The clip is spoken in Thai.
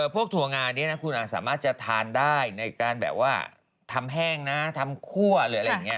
ถั่วงานี้นะคุณอาสามารถจะทานได้ในการแบบว่าทำแห้งนะทำคั่วหรืออะไรอย่างนี้